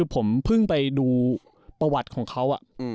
ผมเพิ่งไปดูประวัติของเขา